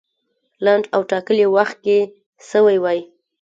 لنډ او ټاکلي وخت کې سوی وای.